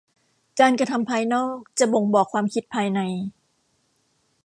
การกระทำภายนอกจะบ่งบอกความคิดภายใน